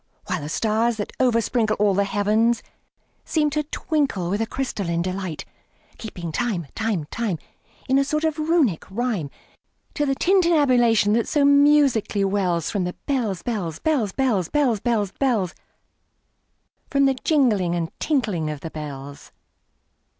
While the stars, that oversprinkleAll the heavens, seem to twinkleWith a crystalline delight; Keeping time, time, time, In a sort of Runic rhyme, To the tintinnabulation that so musically wellsFrom the bells, bells, bells, bells, Bells, bells, bells—From the jingling and the tinkling of the bells.